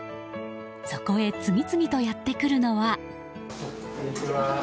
そこへ次々とやってくるのは。